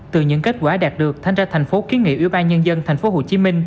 từ những kết quả đạt được thanh tra thành phố kiến nghị ủy ban nhân dân tp hcm